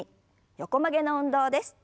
横曲げの運動です。